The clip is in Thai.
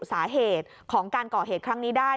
สาเหตุของการก่อเหตุครั้งนี้ได้